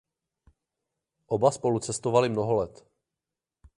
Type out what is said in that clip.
Oba spolu cestovali mnoho let.